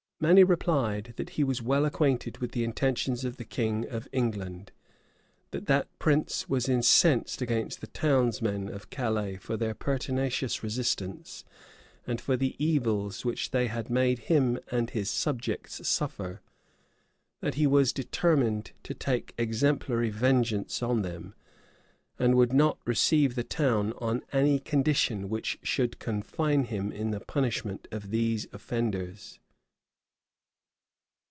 [*] Manny replied, that he was well acquainted with the intentions of the king of England; that that prince was incensed against the townsmen of Calais for their pertinacious resistance, and for the evils which they had made him and his subjects suffer; that he was determined to take exemplary vengeance on them; and would not receive the town on any condition which should confine him in the punishment of these offenders.